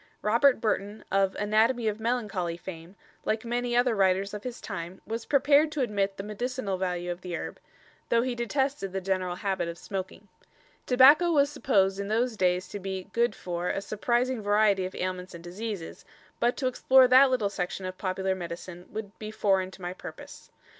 Robert Burton, of "Anatomy of Melancholy" fame, like many other writers of his time, was prepared to admit the medicinal value of the herb, though he detested the general habit of smoking. Tobacco was supposed in those days to be "good for" a surprising variety of ailments and diseases; but to explore that little section of popular medicine would be foreign to my purpose.